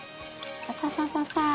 サササササー。